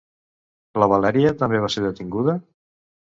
La Valèria també va ser detinguda?